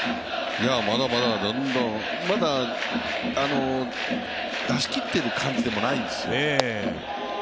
まだまだ、どんどん、まだ出し切っている感じでもないんですよ。